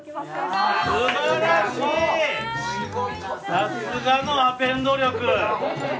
さすがのアテンド力！